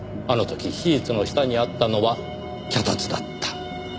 あの時シーツの下にあったのは脚立だった。